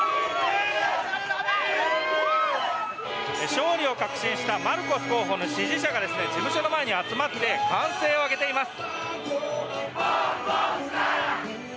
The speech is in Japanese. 勝利を確信したマルコス候補の支持者が事務所の前に集まって歓声を上げています。